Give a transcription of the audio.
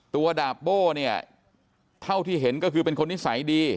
ดาบโบ้เนี่ยเท่าที่เห็นก็คือเป็นคนนิสัยดี